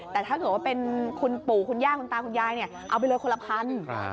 แต่ถ้าเกิดว่าเป็นคุณปู่คุณย่าคุณตาคุณยายเนี่ยเอาไปเลยคนละพัน